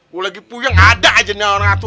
gue lagi puyeng ada aja nih orang atu